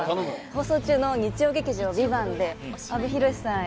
放送中の日曜劇場「ＶＩＶＡＮＴ」で阿部寛さん